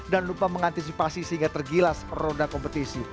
dan lupa mengantisipasi sehingga tergilas roda kompetisi